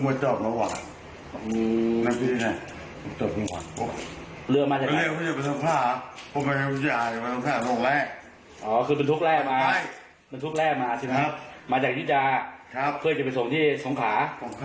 ครับเคยจะไปส่งที่สงขา